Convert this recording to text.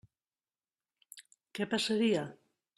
Què passaria?